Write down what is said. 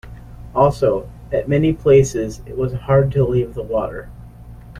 Also, at many places it was hard to leave the water.